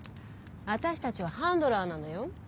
私たちはハンドラーなのよ。